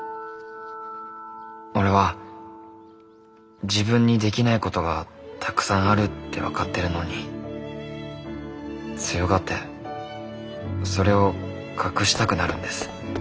俺は自分にできないことがたくさんあるって分かってるのに強がってそれを隠したくなるんです。